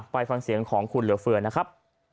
ไปฟังเสียงของคุณเหลือเฟือนะครับ